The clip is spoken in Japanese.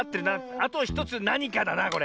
あと１つなにかだなこれ。